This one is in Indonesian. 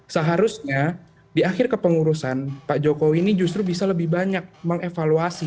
seharusnya di akhir kepengurusan pak jokowi ini justru bisa lebih banyak mengevaluasi